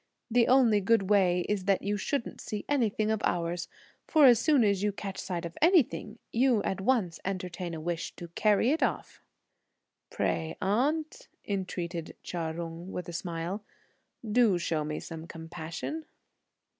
the only good way is that you shouldn't see anything of ours, for as soon as you catch sight of anything, you at once entertain a wish to carry it off." "Pray, aunt," entreated Chia Jung with a smile, "do show me some compassion."